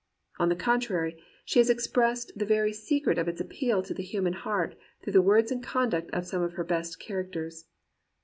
On the contrary, she has expressed the very secret of its appeal to the human heart through the words and conduct of some of her best characters.